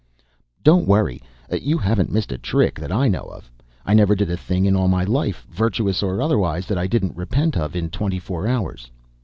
"Don't worry; you haven't missed a trick that I know of. I never did a thing in all my life, virtuous or otherwise, that I didn't repent of in twenty four hours.